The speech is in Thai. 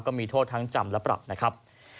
ก็มีโทษทั้งจำและปรับนะครับ